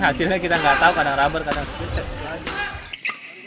hasilnya kita nggak tahu kadang rubber kadang spesial